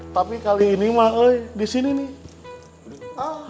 tapi kali ini mah disini nih